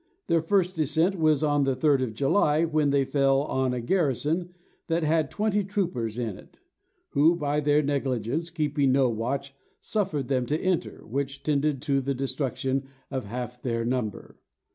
Their first descent was on the 3d of July, when they fell on a garrison that had twenty troopers in it, who, by their negligence, keeping no watch, suffered them to enter, which tended to the destruction of half their number.